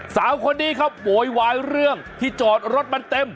สาวคนนี้ครับโวยวายเรื่องที่จอดรถมันเต็ม